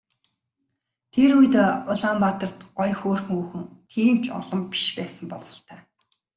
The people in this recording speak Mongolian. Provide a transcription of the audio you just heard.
Тэр үед Улаанбаатарт гоё хөөрхөн хүүхэн тийм ч олон биш байсан бололтой.